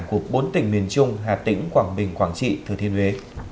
của bốn tỉnh miền trung hà tĩnh quảng bình quảng trị thừa thiên huế